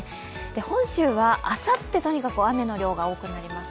本州はあさって、とにかく雨の量が多くなります。